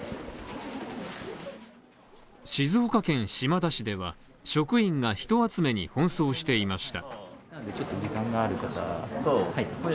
静岡県島田市では、職員が人集めに奔走していました。